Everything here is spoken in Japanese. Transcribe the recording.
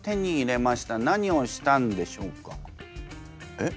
えっ？